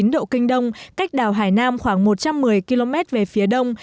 một trăm một mươi một chín độ kinh đông cách đảo hải nam khoảng một trăm một mươi km về phía đông